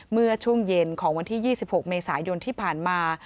เมื่อช่วงเย็นของวันที่๒๖เมษายนที่ผ่านมา